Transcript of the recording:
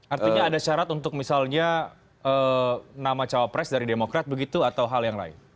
artinya ada syarat untuk misalnya nama cawapres dari demokrat begitu atau hal yang lain